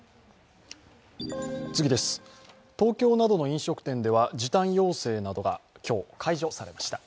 東京などの飲食店では時短要請などが今日、解除されました。